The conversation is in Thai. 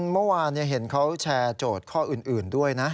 เมื่อวานเห็นเขาแชร์โจทย์ข้ออื่นด้วยนะ